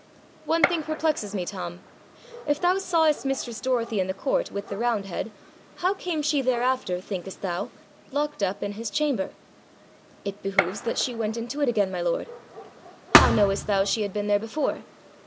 'One thing perplexes me, Tom: if thou sawest mistress Dorothy in the court with the roundhead, how came she thereafter, thinkest thou, locked up in his chamber?' 'It behoves that she went into it again, my lord.' 'How knowest thou she had been there before?'